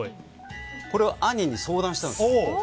これは、兄に相談したんですよ。